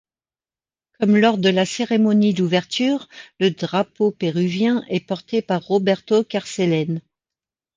Comme lors de la cérémonie d'ouverture, le drapeau péruvien est porté par Roberto Carcelén.